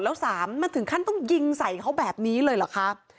แล้วสามมันถึงขั้นต้องยิงใส่เขาแบบนี้เลยเหรอคะ